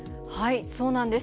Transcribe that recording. そうなんです。